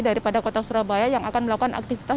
daripada kota surabaya yang akan melakukan aktivitas